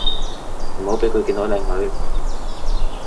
唔好畀佢見到靚女